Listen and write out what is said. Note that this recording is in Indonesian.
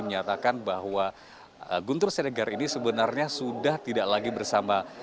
menyatakan bahwa guntur siregar ini sebenarnya sudah tidak lagi bersama